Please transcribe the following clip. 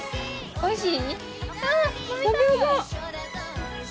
おいしい！